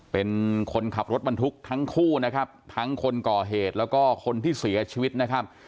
เป็นคนขับรถบรรทุกทั้งคู่นะครับทั้งคนก่อเหตุแล้วก็คนที่เสียชีวิตนะครับ